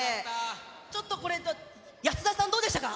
ちょっとこれ、保田さん、どうでしたか？